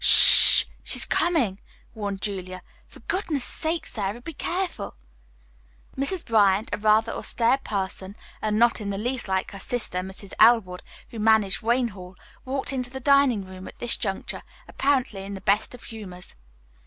"S h h, she's coming!" warned Julia. "For goodness' sake, Sara, be careful." Mrs. Bryant, a rather austere person and not in the least like her sister, Mrs. Elwood, who managed Wayne Hall, walked into the dining room at this juncture, apparently in the best of humors.